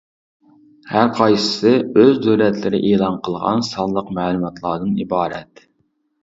ھەرقايسىسى ئۆز دۆلەتلىرى ئېلان قىلغان سانلىق مەلۇماتلاردىن ئىبارەت.